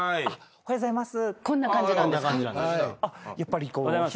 おはようございます。